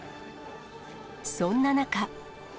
そんな中。